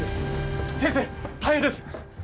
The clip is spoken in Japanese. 先生、大変です！